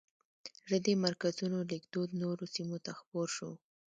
له دې مرکزونو لیکدود نورو سیمو ته خپور شو.